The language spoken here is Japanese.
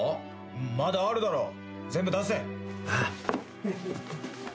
まだあるだろ全部出せ。